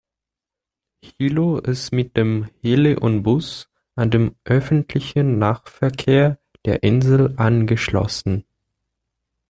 Hilo ist mit dem "Hele-On-Bus" an den öffentlichen Nahverkehr der Insel angeschlossen.